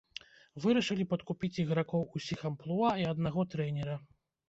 Вырашылі падкупіць ігракоў усіх амплуа і аднаго трэнера.